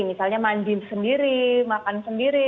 misalnya mandi sendiri makan sendiri